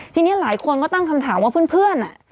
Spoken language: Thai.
ทีนี้หลายคนก็ตั้งคำถามว่าเพื่อน